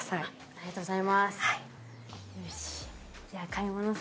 ありがとうございます。